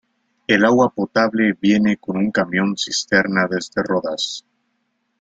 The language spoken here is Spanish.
El agua potable viene con un camión cisterna desde Rodas.